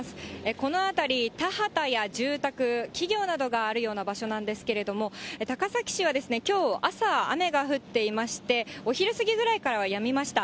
この辺り、田畑や住宅、企業などがあるような場所なんですけれども、高崎市はきょう朝、雨が降っていまして、お昼過ぎぐらいからはやみました。